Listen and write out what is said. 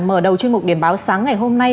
mở đầu chuyên mục điểm báo sáng ngày hôm nay